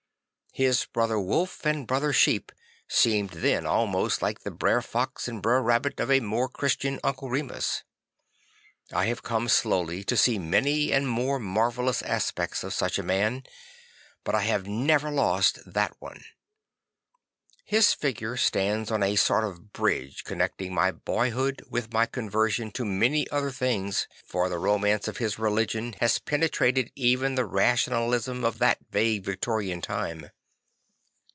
His Brother Wolf and Brother Sheep seemed then almost like the Brer Fox and Brer Rabbit of a more Christian Uncle Remus. I have come slowly to see many and more marvellous aspects of such a man, but I have never lost that one. His figure stands on a sort of bridge connecting my boyhood with my conversion to many other things; for the romance of his religion had penetra ted even the rationalism of that vague Victorian time.